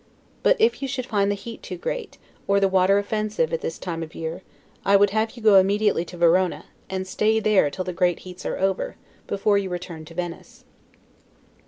But if you should find the heat too great, or the water offensive, at this time of the year, I would have you go immediately to Verona, and stay there till the great heats are over, before you return to Venice.